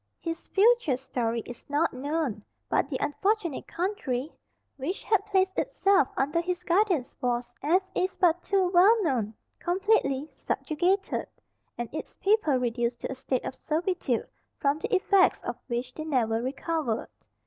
His future story is not known, but the unfortunate country which had placed itself under his guidance was, as is but too well known, completely subjugated, and its people reduced to a state of servitude, from the effects of which they never recovered.